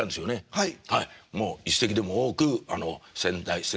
はい。